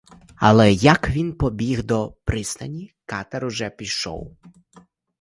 Але, як він прибіг до пристані, катер уже пішов.